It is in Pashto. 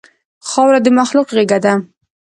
خاوره د مخلوق غېږه ده.